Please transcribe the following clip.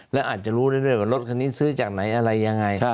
แล้วอาจจะรู้เรื่อยว่ารถคันนี้ซื้อจากไหนอะไรยังไง